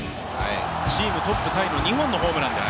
チームトップタイの２本のホームランです。